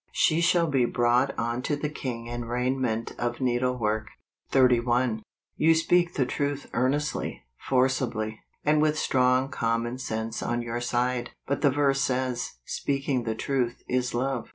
" She shall be brought unto the king in raiment of needleicork ," MAY. 61 31. You speak the truth earnestly, for¬ cibly, and with strong common sense on your side, but the verse says, "speaking the truth in love.